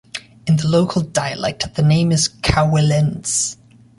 In the local dialect the name is Kowelenz.